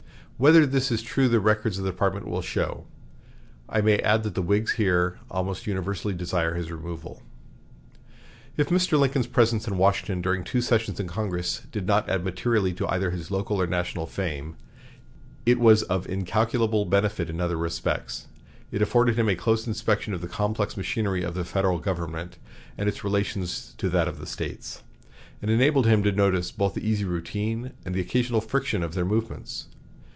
Whether this is true the records of the department will show. I may add that the Whigs here almost universally desire his removal." If Mr. Lincoln's presence in Washington during two sessions in Congress did not add materially to either his local or national fame, it was of incalculable benefit in other respects. It afforded him a close inspection of the complex machinery of the Federal government and its relation to that of the States, and enabled him to notice both the easy routine and the occasional friction of their movements.